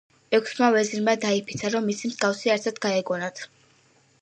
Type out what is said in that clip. ექვსმა ვეზირმა დაიფიცა რომ მისი მსგავსი არსად გაეგონათ.